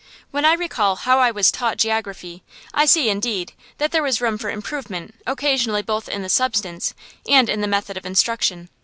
When I recall how I was taught geography, I see, indeed, that there was room for improvement occasionally both in the substance and in the method of instruction.